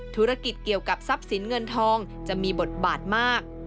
ธุรกิจเกี่ยวกับทรัพย์สินเงินทองจะมีบทบาทมาก